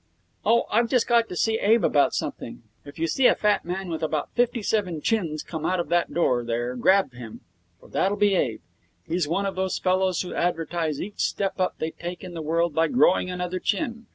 'Oh, I've just got to see Abe about something. If you see a fat man with about fifty seven chins come out of that door there grab him, for that'll be Abe. He's one of those fellows who advertise each step up they take in the world by growing another chin.